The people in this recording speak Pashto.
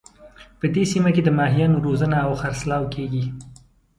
په دې سیمه کې د ماهیانو روزنه او خرڅلاو کیږي